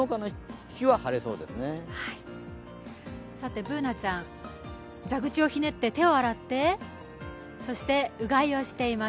Ｂｏｏｎａちゃん、蛇口をひねって、手を洗って、そしてうがいをしています。